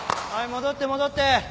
戻って戻って。